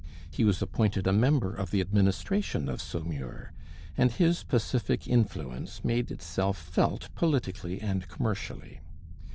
He was appointed a member of the administration of Saumur, and his pacific influence made itself felt politically and commercially.